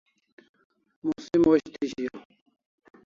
Musim osh thi shiau